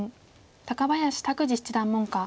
高林拓二七段門下。